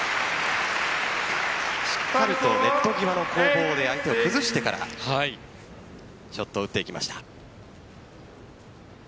しっかりとネット際の攻防で相手を崩してからショットを打っていきました。